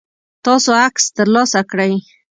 تاسو عکس ترلاسه کړئ؟